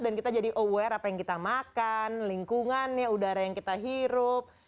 dan kita jadi penuh dengan apa yang kita makan lingkungannya udara yang kita hirup